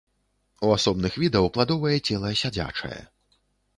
У асобных відаў пладовае цела сядзячае.